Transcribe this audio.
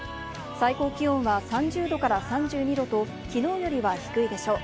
最高気温は３０度から３２度ときのうよりは低いでしょう。